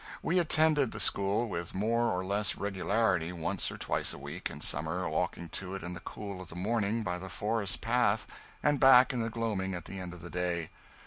We attended the school with more or less regularity once or twice a week, in summer, walking to it in the cool of the morning by the forest paths, and back in the gloaming at the end of the day.